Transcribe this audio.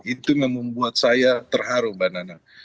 itu yang membuat saya terharu mbak nana